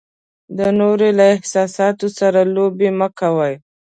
د نورو له احساساتو سره لوبې مه کوئ.